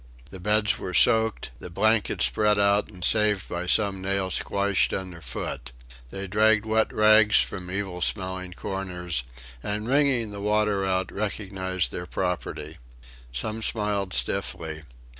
The beds were soaked; the blankets spread out and saved by some nail squashed under foot. They dragged wet rags from evil smelling corners, and wringing the water out, recognised their property. Some smiled stiffly.